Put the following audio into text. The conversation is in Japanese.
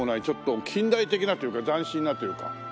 ちょっと近代的なというか斬新なというか。